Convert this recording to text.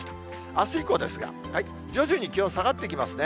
あす以降ですが、徐々に気温下がってきますね。